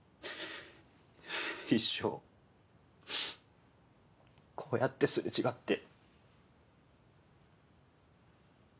一生こうやって擦れ違って。